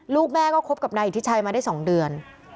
ลูกแม่ก็คบกับนายอิทธิชัยมาได้๒เดือน